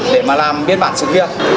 để mà làm biên bản sự việc